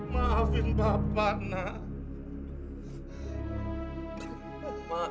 maafin bapak nak